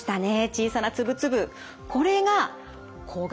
小さな粒々。